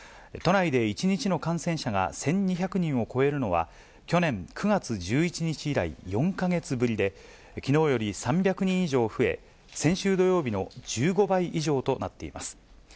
都内で１日の感染者が１２００人を超えるのは去年９月１１日以来、４か月ぶりで、きのうより３００人以上増え、先週土曜日の１５倍以上となっています。